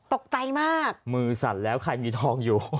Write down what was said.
ตกใจมากมือสั่นแล้วใครมีทองอยู่